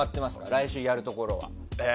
来週やるところは。